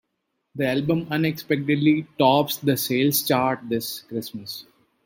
The album unexpectedly tops the sales chart this Christmas.